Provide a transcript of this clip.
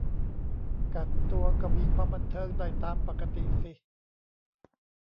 กักตัวก็มีความบันเทิงได้ตามปกติสิ